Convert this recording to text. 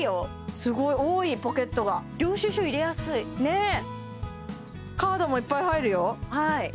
すごい多いポケットが領収書入れやすいカードもいっぱい入るよ